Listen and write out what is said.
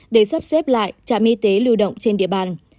để sắp xếp lại trạm y tế lưu động trên địa bàn